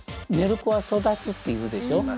「寝る子は育つ」っていうでしょ。